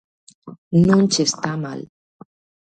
Non che está mal.